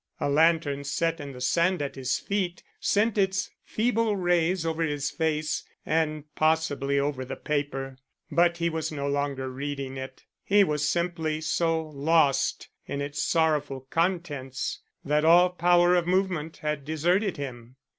A lantern set in the sand at his feet sent its feeble rays over his face and possibly over the paper; but he was no longer reading it, he was simply so lost in its sorrowful contents that all power of movement had deserted him.